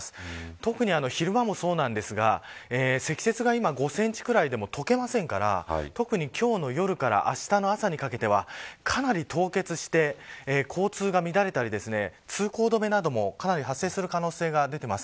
特に昼間もそうですが積雪が今、５センチくらいでも解けませんから特に今日の夜からあしたの朝にかけてはかなり凍結して交通が乱れたり通行止めも、かなり発生する可能性が出ています。